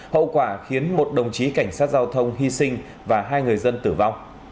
hậu quả khiến một đồng chí cảnh sát giao thông hy sinh và hai người dân tử vong